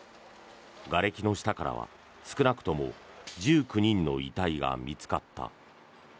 がれきの下からは少なくとも１９人の遺体が見つかった。